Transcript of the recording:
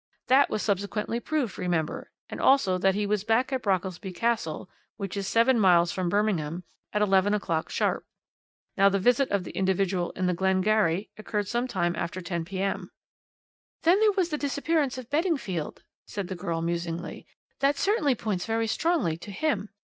That was subsequently proved, remember, and also that he was back at Brockelsby Castle, which is seven miles from Birmingham, at eleven o'clock sharp. Now, the visit of the individual in the Glengarry occurred some time after 10 p.m." "Then there was the disappearance of Beddingfield," said the girl musingly. "That certainly points very strongly to him.